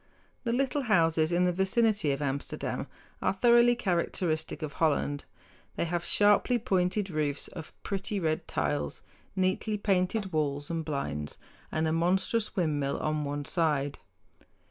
The little houses in the vicinity of Amsterdam are thoroughly characteristic of Holland. They have sharply pointed roofs of pretty red tiles, neatly painted walls and blinds, and a monstrous windmill on one side.